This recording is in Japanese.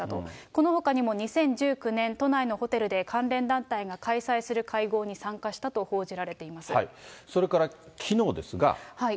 このほかにも２０１９年、都内のホテルで関連団体が開催する会合に参加したと報じられていそれから、きのうですが。